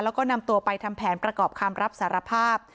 แล้วก็นำตัวไปทำแผนประกอบคำรับสารภาพ